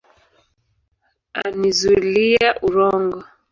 Annizuliya urongo